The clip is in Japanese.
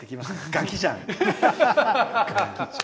ガキじゃん。